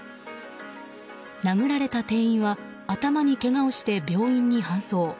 殴られた店員は頭にけがをして病院に搬送。